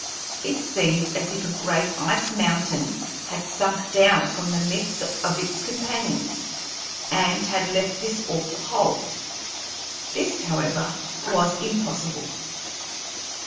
It seemed as if a great ice mountain had sunk down from the midst of its companions, and had left this awful hole. This, however, was impossible.